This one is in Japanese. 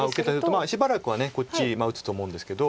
しばらくはこっち打つと思うんですけど。